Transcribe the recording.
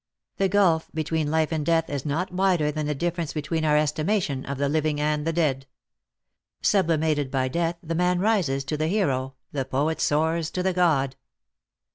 The gulf between life and death is not wider than the difference between our estimation of the living and the dead. Sublimated by death the man rises to the hero, the poet soars to the god.